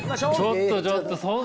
ちょっとちょっと。